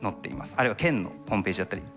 あるいは県のホームページだったり。